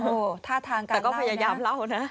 โอ้ท่าทางการเล่านะแต่ก็พยายามเล่านะ